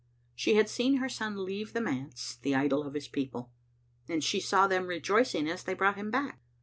She had seen her son leave the manse the idol of his people, and she saw them rejoicing as they brought him back.